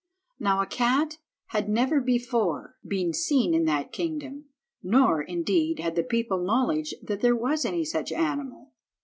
Now a cat had never before been seen in that kingdom, nor, indeed, had the people knowledge that there was any such animal.